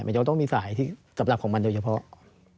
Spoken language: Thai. มันจะต้องมีสายที่สำหรับของมันโดยเฉพาะ